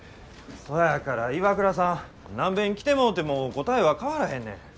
そやから岩倉さん何べん来てもうても答えは変わらへんねん。